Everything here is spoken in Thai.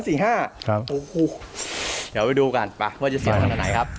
สี่ห้าครับโอ้โหเดี๋ยวไปดูกันป่ะว่าจะเสียมากับไหนครับ